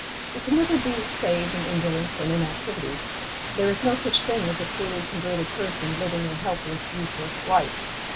We can never be saved in indolence and inactivity. There is no such thing as a truly converted person living a helpless, useless life.